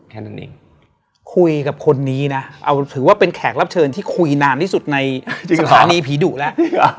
แค่นั้นเองคุยกับคนนี้นะเอาถือว่าเป็นแขกรับเชิญที่คุยนานที่สุดในสถานีผีดุแล้ว